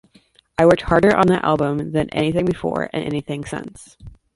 I worked harder on that album than anything before and anything since.